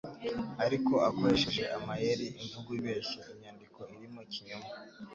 ariko akoresheje amayeri, imvugo ibeshya, inyandiko irimo ikinyoma,